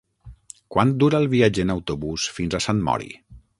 Quant dura el viatge en autobús fins a Sant Mori?